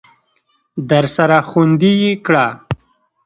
درسره خوندي یې کړه !